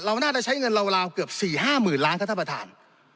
เราน่าจะใช้เงินราวเกือบ๔๕หมื่นล้านท่านประธาน